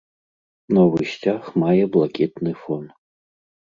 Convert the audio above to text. Новы сцяг мае блакітны фон.